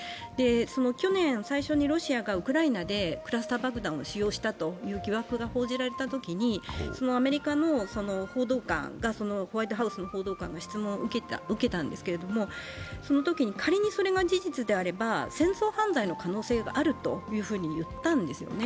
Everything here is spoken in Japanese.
その去年、最初にロシアがウクライナでクラスター爆弾を使用したという疑惑が報じられたときにアメリカの、ホワイトハウスの報道官が質問を受けたんですけれども、そのときに、仮にそれが事実であれば、戦争犯罪の可能性があると言ったんですよね。